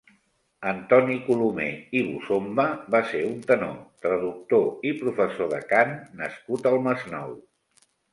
Antoni Colomé i Bosomba va ser un tenor, traductor i professor de cant nascut al Masnou.